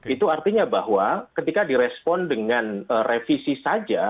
itu artinya bahwa ketika direspon dengan revisi saja